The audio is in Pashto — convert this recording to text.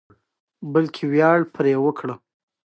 د یو بل حسادت مه کوه، بلکې ویاړ پرې وکړه.